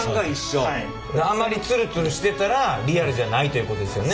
あまりツルツルしてたらリアルじゃないということですよね？